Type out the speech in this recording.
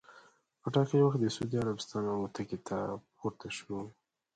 په ټا کلي وخت د سعودي عربستان الوتکې ته پورته سو.